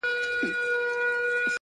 • درواغجن حافظه نلري ,